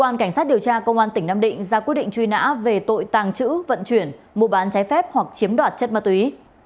cơ quan cảnh sát điều tra công an tỉnh nam định ra quyết định truy nã về tội tàng trữ vận chuyển mua bán trái phép hoặc chiếm đoạt chất ma túy